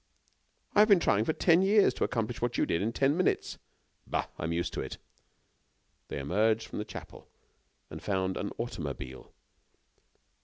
"I have been trying for ten years to accomplish what you did in ten minutes." "Bah! I am used to it." They emerged from the chapel, and found an automobile.